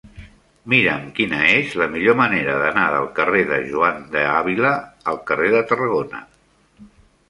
Mira'm quina és la millor manera d'anar del carrer de Juan de Ávila al carrer de Tarragona.